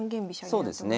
そうですね。